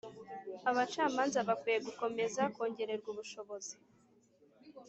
abacamanza bakwiye gukomeza kongererwa ubushobozi